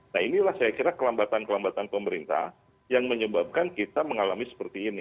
nah inilah saya kira kelambatan kelambatan pemerintah yang menyebabkan kita mengalami seperti ini